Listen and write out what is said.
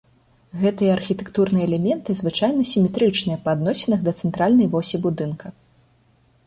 Гэтыя архітэктурныя элементы звычайна сіметрычныя па адносінах да цэнтральнай восі будынка.